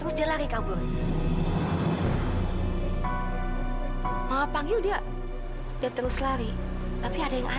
sampai jumpa di video selanjutnya